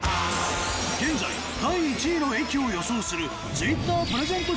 現在第１位の駅を予想するＴｗｉｔｔｅｒプレゼント